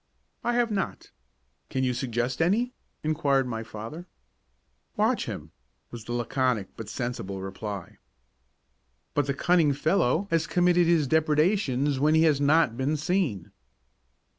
"I have not. Can you suggest any?" inquired my father. "Watch him," was the laconic but sensible reply. "But the cunning fellow has committed his depredations when he has not been seen."